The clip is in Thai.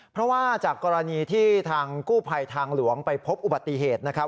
เพราะว่าจากกรณีที่ทางกู้ภัยทางหลวงไปพบอุบัติเหตุนะครับ